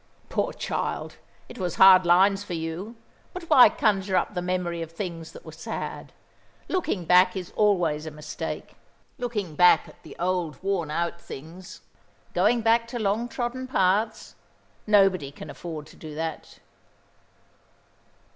"Poor child! It was hard lines for you. But why conjure up the memory of things that were sad? Looking back is always a mistake. Looking back at the old worn out things, going back to long trodden paths! Nobody can afford to do that.